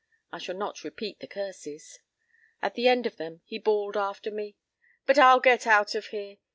I shall not repeat the curses. At the end of them he bawled after me: "But I'll get there!